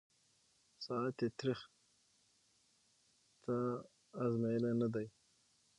ساعت یې تریخ » تا آزمېیلی نه دی